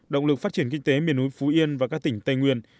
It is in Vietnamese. động lực phát triển kinh tế miền núi phú yên và các tỉnh tây nguyên